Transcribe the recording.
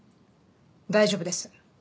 大丈夫です。